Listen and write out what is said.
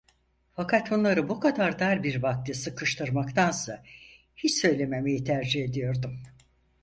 Fakat bunları bu kadar dar bir vakte sıkıştırmaktansa, hiç söylememeyi tercih ediyordum.